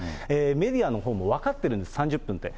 メディアのほうも分かってるんです、３０分って。